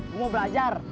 gue mau belajar